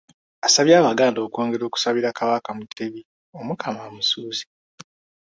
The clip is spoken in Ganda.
Asabye abaganda okwongera okusabira Kabaka Mutebi Omukama amussuuse